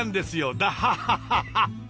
ダハハハハ！